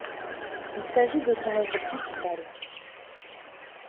Il s'agit de son œuvre principale.